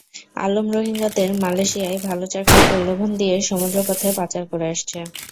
আলম রোহিঙ্গাদের মালয়েশিয়ায় ভালো চাকরির প্রলোভন দিয়ে সমুদ্রপথে পাচার করে আসছে।